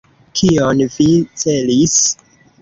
Kion vi celis?